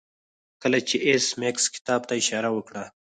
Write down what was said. کله چې ایس میکس کتاب ته اشاره وکړه